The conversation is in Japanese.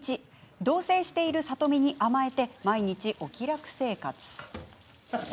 同せいしている里美に甘えて毎日お気楽生活。